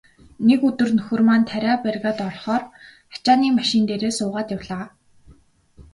Нэг өдөр нөхөр маань тариа бригад орохоор ачааны машин дээр суугаад явлаа.